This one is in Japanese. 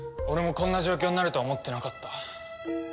俺もこんな状況になるとは思ってなかった。